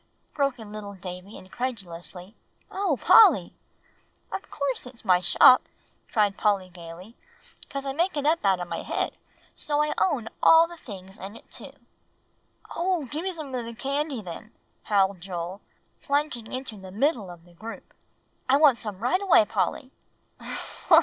broke in little Davie incredulously. "O Polly!" "Of course it's my shop," cried Polly gayly, "'cause I make it up out of my head, so I own all the things in it too." "Oh! give me some of the candy then," howled Joel, plunging into the middle of the group. "I want some right away, Polly."